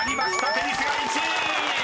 「テニス」が１位！］